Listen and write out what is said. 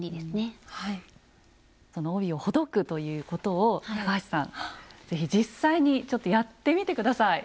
その帯をほどくということを高橋さん是非実際にちょっとやってみて下さい。